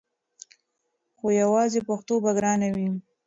خو یواځې پښتو به ګرانه وي!